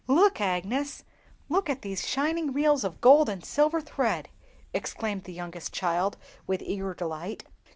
"Look, Agnes, look at these shining reels of gold and silver thread!" exclaimed the youngest child with eager delight.